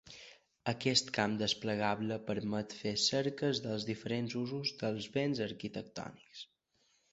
Aquest camp desplegable permet fer cerques dels diferents usos dels béns arquitectònics.